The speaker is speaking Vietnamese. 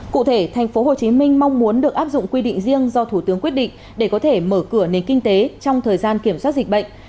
cụ thể tp hcm mong muốn được áp dụng quy định riêng do thủ tướng quyết định để có thể mở cửa nền kinh tế trong thời gian kiểm soát dịch bệnh